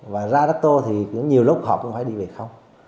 và ra đắc tô thì nhiều lúc họ cũng phải đi về không